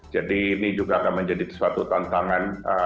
jadi ini juga akan menjadi suatu tantangan